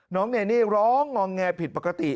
น้องเน่เน่ร้องงองแงผิดปกติ